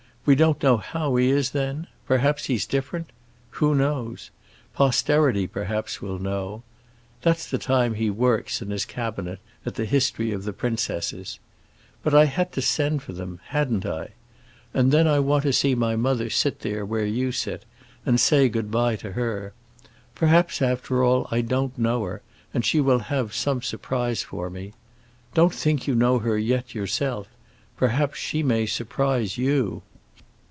We don't know how he is then. Perhaps he's different. Who knows? Posterity, perhaps, will know. That's the time he works, in his cabinet, at the history of the Princesses. But I had to send for them—hadn't I? And then I want to see my mother sit there where you sit, and say good bye to her. Perhaps, after all, I don't know her, and she will have some surprise for me. Don't think you know her yet, yourself; perhaps she may surprise you.